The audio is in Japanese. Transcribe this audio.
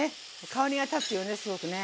香りが立つよねすごくね。